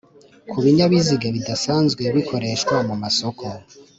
ku binyabiziga bidasanzwe bikoreshwa mu masoko